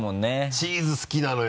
チーズ好きなのよ！